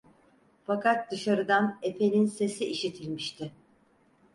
Fakat dışarıdan efenin sesi işitilmişti.